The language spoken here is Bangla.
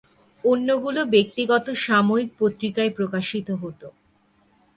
অন্যগুলো ব্যক্তিগত সাময়িক পত্রিকায় প্রকাশিত হতো।